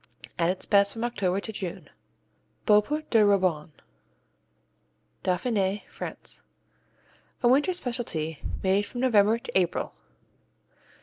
At its best from October to June. Beaupré de Roybon Dauphiné, France A winter specialty made from November to April.